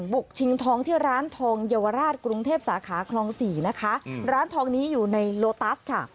บุกชิงทองที่ร้านทองเยาวราชกรุงเทพสาขาคลองสี่นะคะร้านทองนี้อยู่ในโลตัสค่ะ